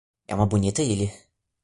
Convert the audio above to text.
É uma bonita ilha.